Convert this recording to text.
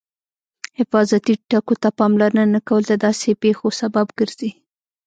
حفاظتي ټکو ته پاملرنه نه کول د داسې پېښو سبب ګرځي.